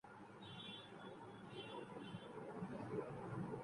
যে-সকল ধর্ম গ্রন্থের উপর প্রতিষ্ঠিত, সে-গুলি আজও বেঁচে আছে।